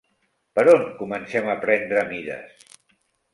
Per on comencem a prendre mides?